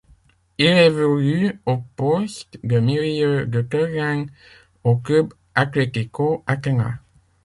Il évolue au poste de milieu de terrain au Club Atlético Atenas.